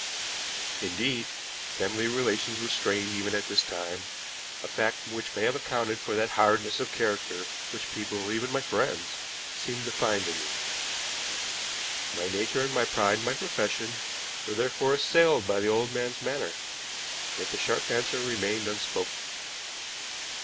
Indeed, family relations were strained even at this time, a fact which may have accounted for that hardness of character which people, even my friends, seemed to find in me. My nature and my pride in my profession were therefore assailed by the old man's manner, yet the sharp answer remained unspoken.